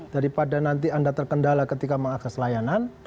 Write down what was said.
daripada nanti anda terkendala ketika mengakses layanan